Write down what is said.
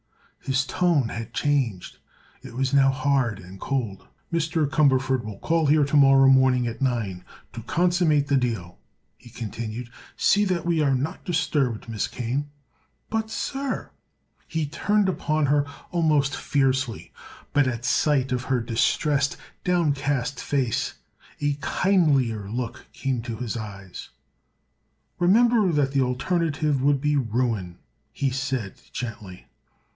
His tone had changed. It was now hard and cold. "Mr. Cumberford will call here to morrow morning at nine, to consummate the deal," he continued. "See that we are not disturbed, Miss Kane." "But, sir—" He turned upon her almost fiercely, but at sight of her distressed, downcast face a kindlier look came to his eyes. "Remember that the alternative would be ruin," he said gently.